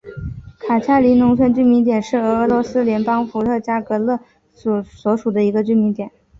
卡恰林农村居民点是俄罗斯联邦伏尔加格勒州苏罗维基诺区所属的一个农村居民点。